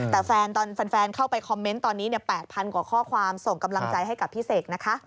แต่แฟนเข้าไปคอมเมนต์ตอนนี้๘๐๐กว่าข้อความส่งกำลังใจให้กับพี่เสกนะคะ